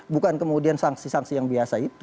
bukan kemudian sanksi sanksi yang biasa itu